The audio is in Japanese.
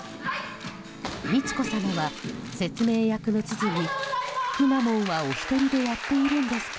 美智子さまは説明役の知事にくまモンはお一人でやっているんですか？